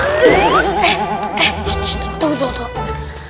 tunggu tunggu tunggu